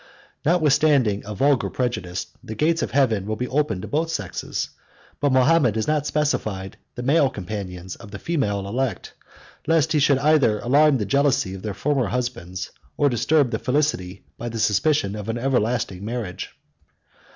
Notwithstanding a vulgar prejudice, the gates of heaven will be open to both sexes; but Mahomet has not specified the male companions of the female elect, lest he should either alarm the jealousy of their former husbands, or disturb their felicity, by the suspicion of an everlasting marriage.